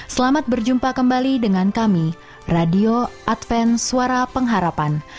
selamat berjumpa kembali dengan kami radio advent suara pengharapan